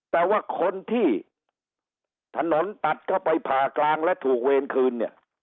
แต่ว่าคนที่ถนนตัดเข้าไปผ่ากลางและถูกเวรคืนเนี่ย